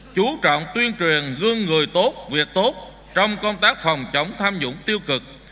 chú trọng tuyên truyền gương người tốt việc tốt trong công tác phòng chống tham nhũng tiêu cực